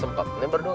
sampai jumpa lagi